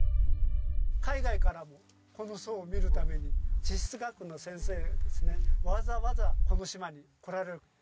海外からもこの層を見るために地質学の先生がですねわざわざこの島に来られる。